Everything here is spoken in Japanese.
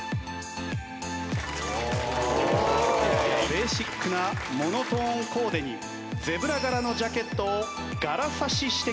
ベーシックなモノトーンコーデにゼブラ柄のジャケットを柄差ししてきました。